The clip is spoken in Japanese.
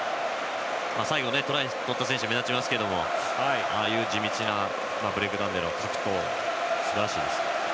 最後、トライを取った選手が目立ちますけどああいう地道なブレイクダウンでの格闘すばらしいです。